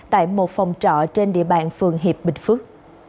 tại một phòng trọ trên địa bàn phường hiệp bình phước